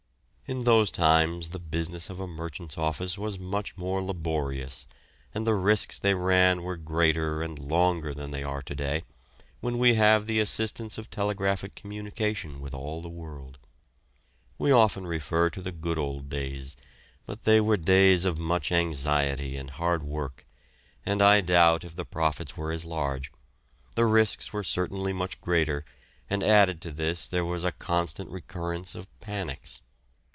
In those times the business of a merchant's office was much more laborious, and the risks they ran were greater and longer than they are to day, when we have the assistance of telegraphic communication with all the world. We often refer to the good old days, but they were days of much anxiety and hard work, and I doubt if the profits were as large; the risks were certainly much greater, and added to this there was a constant recurrence of panics.